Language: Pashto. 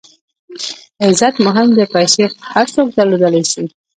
عزت مهم دئ، پېسې خو هر څوک درلودلای سي.